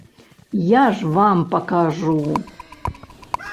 Я ж вам пакажу.